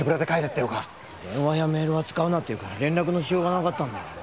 電話やメールは使うなって言うから連絡のしようがなかったんだよ。